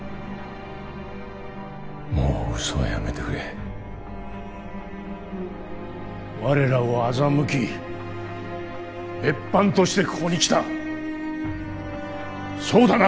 もう嘘はやめてくれ我らを欺き別班としてここに来たそうだな？